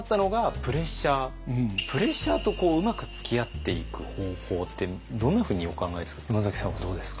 プレッシャーとうまくつきあっていく方法ってどんなふうにお考えですか？